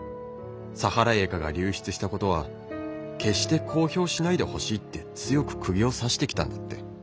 サハライエカが流出したことは決して公表しないでほしいって強くくぎを刺してきたんだって。